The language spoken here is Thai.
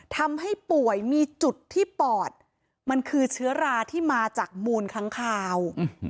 ทำให้ป่วยมีจุดที่ปอดมันคือเชื้อราที่มาจากมูลค้างคาว